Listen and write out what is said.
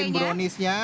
lanjut bikin browniesnya